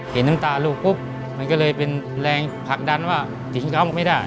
เห็นตรงตาลูกก็เลยเป็นแรงผลักดันว่าทิ้งเข้าไม่ได้